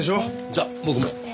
じゃあ僕も。